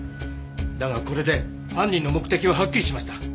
だがこれで犯人の目的ははっきりしました。